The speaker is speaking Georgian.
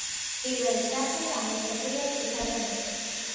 პირველი სართული ამოვსებულია ქვითა და მიწით.